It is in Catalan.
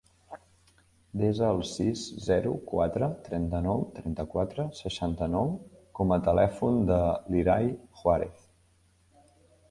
Desa el sis, zero, quatre, trenta-nou, trenta-quatre, seixanta-nou com a telèfon de l'Irai Juez.